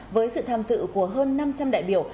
với sự tham dự của hơn năm trăm linh đại biểu